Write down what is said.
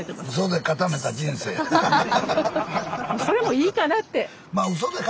それもいいかなって。